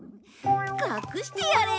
隠してやれ！